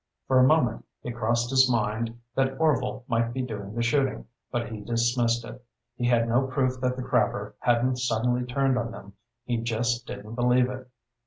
For a moment it crossed his mind that Orvil might be doing the shooting, but he dismissed it. He had no proof that the crabber hadn't suddenly turned on them; he just didn't believe it.